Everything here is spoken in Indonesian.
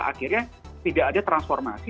akhirnya tidak ada transformasi